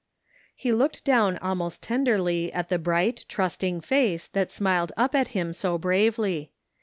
He looked down almost tenderly at the bright, trusting face that smiled up at him so bravely.